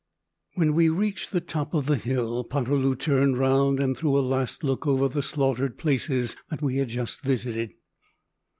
When we reached the top of the hill, Poterloo turned round and threw a last look over the slaughtered places that we had just visited.